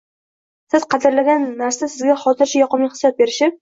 Siz qadrlagan narsa sizga hozircha yoqimli hissiyot berishi